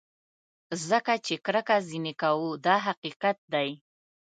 ځکه چې کرکه ځینې کوو دا حقیقت دی.